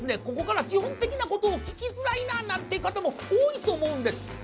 ここから基本的なことを聞きづらいななんていう方も多いと思うんです。